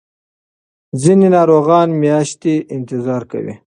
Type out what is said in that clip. ځینې ناروغان میاشتې انتظار کوي.